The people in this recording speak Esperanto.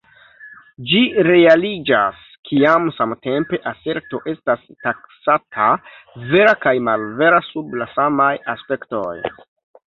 Ĝi realiĝas kiam samtempe aserto estas taksata vera kaj malvera sub la samaj aspektoj.